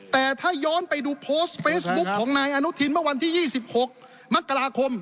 แต่ถ้าย้อนไปดูโพสต์เฟซบุ๊กของนายอนุทินเมื่อวันที่๒๖มกราคม